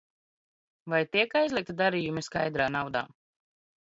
Vai tiek aizliegti darījumi skaidrā naudā?